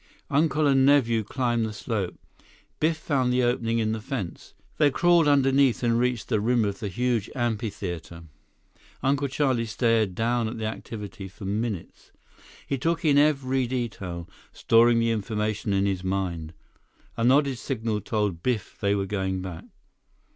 Uncle and nephew climbed the slope. Biff found the opening in the fence. They crawled underneath and reached the rim of the huge amphitheater. Uncle Charlie stared down at the activity for minutes. He took in every detail, storing the information in his mind. A nodded signal told Biff they were going back.